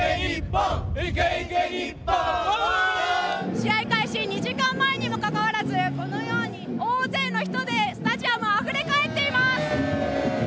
試合開始２時間前にもかかわらずこのように大勢の人でスタジアム、あふれ返ってます。